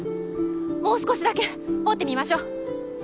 もう少しだけ掘ってみましょう。